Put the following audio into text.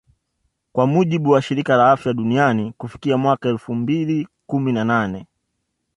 Kwa mujibu wa Shirika la Afya Duniani kufikia mwaka elfu mbili kumi na nne